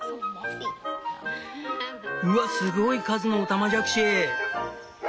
うわすごい数のオタマジャクシ！